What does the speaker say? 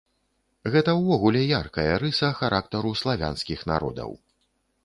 Гэта ўвогуле яркая рыса характару славянскіх народаў.